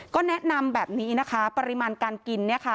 ก็แนะนำแบบนี้ปริมาณการกิน